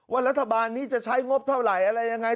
รัฐบาลนี้จะใช้งบเท่าไหร่อะไรยังไง